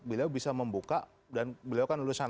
beliau bisa membuka dan beliau kan lulusan